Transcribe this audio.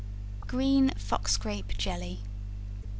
Green Fox Grape Jelly.